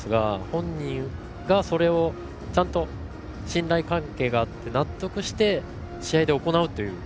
本人がちゃんと信頼関係があって納得して、試合で行うという。